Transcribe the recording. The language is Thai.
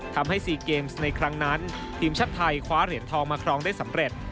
ทำให้๔เกมส์ในครั้งนั้นทีมชาติไทยคว้าเหรียญทองมาครองได้สำเร็จ